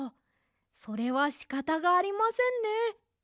それはしかたがありませんね。